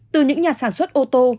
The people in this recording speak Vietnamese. từ những nhà sản xuất ô tô